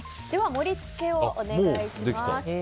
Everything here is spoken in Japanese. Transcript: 盛り付けをお願いします。